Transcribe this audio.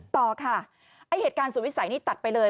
ต่อค่ะไอ้เหตุการณ์สุดวิสัยนี่ตัดไปเลย